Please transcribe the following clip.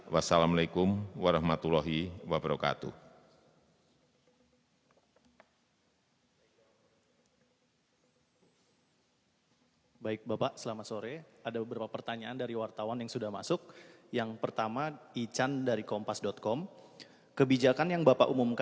wassalamu'alaikum warahmatullahi wabarakatuh